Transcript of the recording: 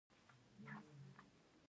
ټول